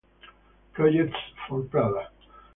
Projects for Prada.